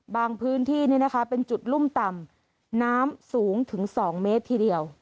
พื้นที่เป็นจุดรุ่มต่ำน้ำสูงถึง๒เมตรทีเดียว